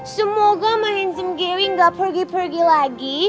semoga my handsome gary gak pergi pergi lagi